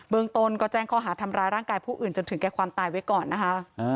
เมืองตนก็แจ้งข้อหาทำร้ายร่างกายผู้อื่นจนถึงแก่ความตายไว้ก่อนนะคะ